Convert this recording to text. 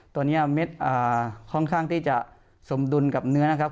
ตัวนี้เม็ดค่อนข้างที่จะสมดุลกับเนื้อนะครับ